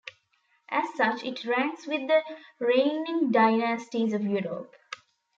As such it ranks with the reigning dynasties of Europe.